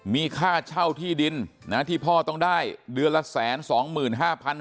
มีค่าเช่าที่ดินนะที่พ่อต้องได้เดือนละแสนสองหมื่นห้าพัน